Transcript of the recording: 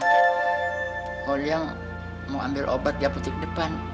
kau yang mau ambil obat di apotek depan